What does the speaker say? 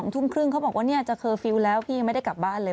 ทุ่มครึ่งเขาบอกว่าจะเคอร์ฟิลล์แล้วพี่ยังไม่ได้กลับบ้านเลย